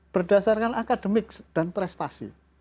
berdasarkan akademik dan prestasi